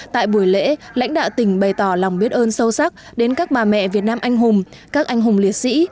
tại buổi lễ lãnh đạo tỉnh bày tỏ lòng biết ơn sâu sắc đến các bà mẹ việt nam anh hùng các anh hùng liệt sĩ